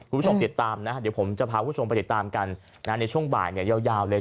คุณผู้ชมติดตามนะเดี๋ยวผมจะพาคุณผู้ชมไปติดตามกันในช่วงบ่ายเนี่ยยาวเลย